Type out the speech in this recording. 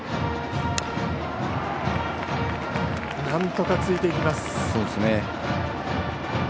なんとかついていきます。